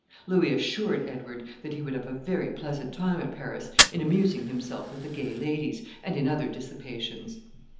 Louis assured Edward that he would have a very pleasant time at Paris in amusing himself with the gay ladies, and in other dissipations.